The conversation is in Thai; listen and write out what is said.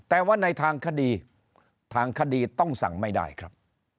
แต่ว่าในทางคดีทางคดีต้องสั่งไม่ได้ครับ